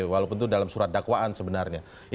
walaupun itu dalam surat dakwaan sebenarnya